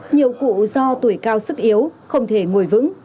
nhiều cụ do tuổi cao sức yếu không thể ngồi vững